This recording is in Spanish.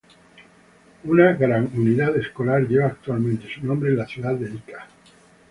Una gran unidad escolar lleva actualmente su nombre en la ciudad de Ica.